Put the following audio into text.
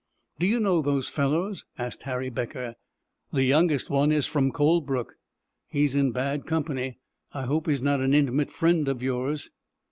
"Do you know those fellows?" asked Harry Becker. "The youngest one is from Colebrook." "He is in bad company. I hope he is not an intimate friend of yours?"